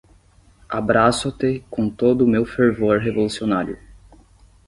Abraço-te com todo o meu fervor revolucionário.